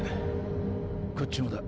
こっちもだ。